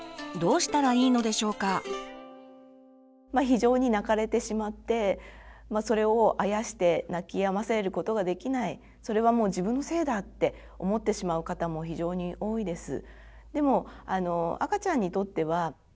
非常に泣かれてしまってそれをあやして泣きやませることができないそれはもう自分のせいだって思ってしまう方も非常に多いです。